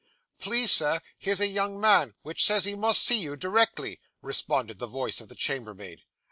'Please, Sir, here's a young man which says he must see you directly,' responded the voice of the chambermaid.